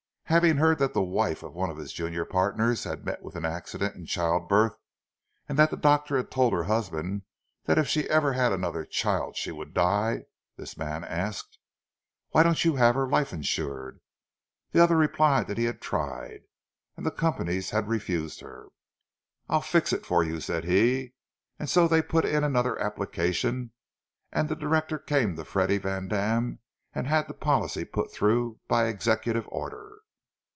Having heard that the wife of one of his junior partners had met with an accident in childbirth, and that the doctor had told her husband that if she ever had another child, she would die, this man had asked, "Why don't you have her life insured?" The other replied that he had tried, and the companies had refused her. "I'll fix it for you," said he; and so they put in another application, and the director came to Freddie Vandam and had the policy put through "by executive order."